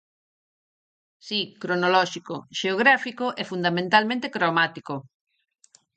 Si, cronolóxico, xeográfico e fundamentalmente cromático.